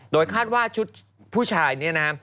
โดยคาดว่าชุดผู้ชายเนี่ยนะฮะ